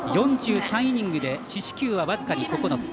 ４３イニングで四死球は僅かに９つ。